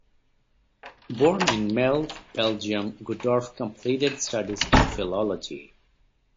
Born in Melle, Belgium, Guddorf completed studies in philology.